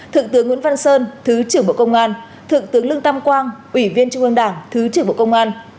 thượng tướng nguyễn văn sơn thứ trưởng bộ công an thượng tướng lương tam quang ủy viên trung ương đảng thứ trưởng bộ công an